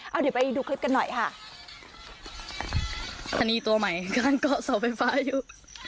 เอาเดี๋ยวไปดูคลิปกันหน่อยค่ะอันนี้ตัวใหม่การเกาะเสาไฟฟ้าอยู่